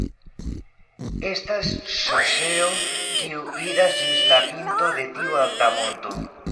Estas ŝoseo kiu iras ĝis la pinto de tiu alta monto.